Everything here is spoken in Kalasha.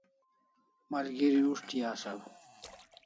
Malgeri us'ti asaw